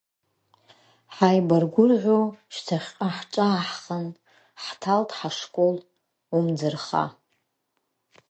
Ҳаибаргәырӷьо шьҭаҳьҟа ҳҿааҳхан, ҳҭалт, ҳашкол, умӡырха.